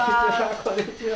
こんにちは。